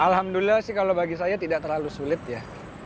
alhamdulillah sih kalau bagi saya tidak terlalu sulit ya